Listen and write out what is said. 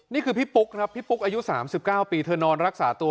นี่คือพี่ปุ๊กครับพี่ปุ๊กอายุ๓๙ปีเธอนอนรักษาตัว